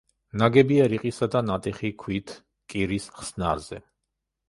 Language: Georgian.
ნაგებია რიყისა და ნატეხი ქვით კირის ხსნარზე.